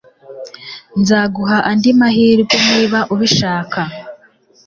Nzaguha andi mahirwe niba ubishaka.